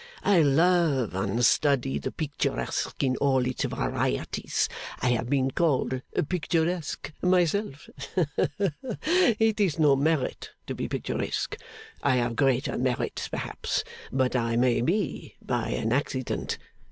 I love and study the picturesque in all its varieties. I have been called picturesque myself. It is no merit to be picturesque I have greater merits, perhaps but I may be, by an accident.